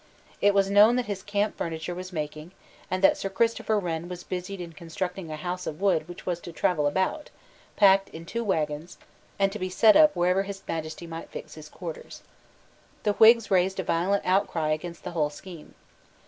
It was known that his camp furniture was making, and that Sir Christopher Wren was busied in constructing a house of wood which was to travel about, packed in two waggons, and to be set up wherever His Majesty might fix his quarters, The Whigs raised a violent outcry against the whole scheme.